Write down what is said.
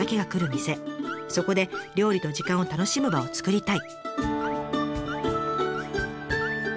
そこで料理と時間を楽しむ場を作りたい」。